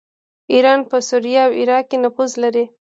ایران په سوریه او عراق کې نفوذ لري.